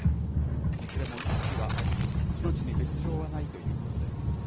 いずれも意識はあり、命に別状はないということです。